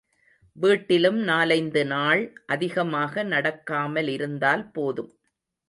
வீட்டிலும் நாலைந்து நாள் அதிகமாக நடக்காமலிருந்தால் போதும்.